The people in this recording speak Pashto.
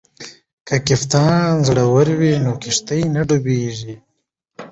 که کپتان زړور وي نو کښتۍ نه ډوبیږي.